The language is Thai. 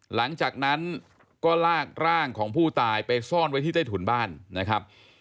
หลังจากนั้นก็ลากร่างของผู้ตายไปซ่อนไว้ที่ใต้ถุนบ้านนะครับ